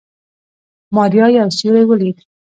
ماريا يو سيوری وليد.